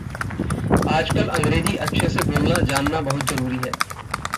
आजकल अंग्रेज़ी अच्छे से बोलना जानना बहुत ज़रूरी है।